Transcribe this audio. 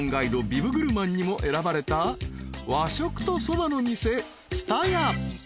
ビブグルマンにも選ばれた和食とそばの店つた家］